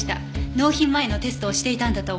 納品前のテストをしていたんだと思います。